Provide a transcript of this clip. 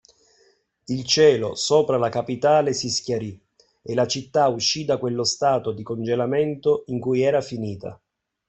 Il cielo sopra la capitale si schiarì e la città uscì da quello stato di congelamento in cui era finita